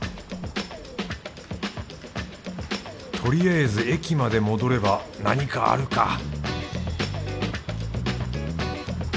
とりあえず駅まで戻れば何かあるか